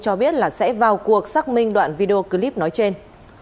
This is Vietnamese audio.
cho biết là sẽ vào cuộc xác minh đoạn video clip nói trên